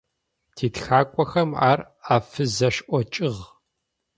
Титхакӏохэм ар афызэшӏокӏыгъ.